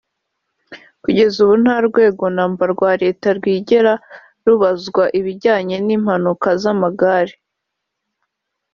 Kugeza ubu nta rwego namba rwa leta rwigera rubazwa ibijyanye n’impanuka z’amagare